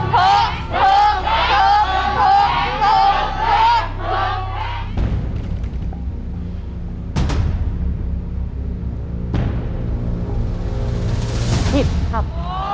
ผิดครับ